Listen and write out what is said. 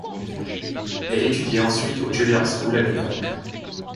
Elle étudié ensuite au Juilliard School à New York.